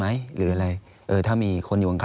อันดับ๖๓๕จัดใช้วิจิตร